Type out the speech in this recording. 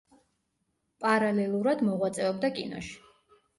პარალელურად მოღვაწეობდა კინოში.